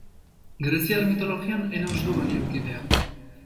Greziar mitologian Eros du baliokidea.